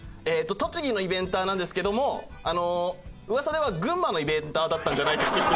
栃木のイベンターなんですけども噂では群馬のイベンターだったんじゃないかという説。